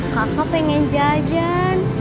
kakak pengen jajan